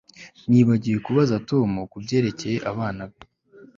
Nibagiwe kubaza Tom kubyerekeye abana be